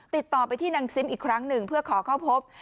ติดต่อไปที่นางซิมอีกครั้งหนึ่งเพื่อขอเข้าพบ